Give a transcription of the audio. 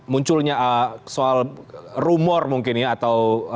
munculnya soal rumor mungkin ya atau